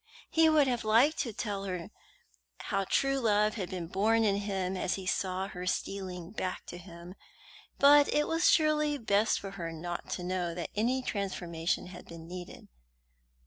He would have liked to tell her how true love had been born in him as he saw her stealing back to him, but it was surely best for her not to know that any transformation had been needed.